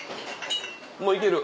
もういける？